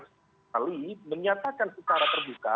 sekali menyatakan secara terbuka